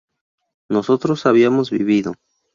nosotros habíamos vivido